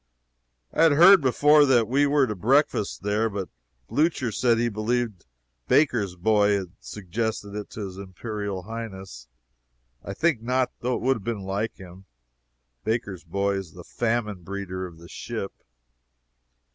I had heard before that we were to breakfast there, but Blucher said he believed Baker's boy had suggested it to his Imperial Highness. I think not though it would be like him. Baker's boy is the famine breeder of the ship.